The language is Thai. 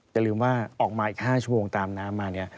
อย่าลืมว่าออกมาอีก๕ชั่วโมงตามน้ำมาเนี่ย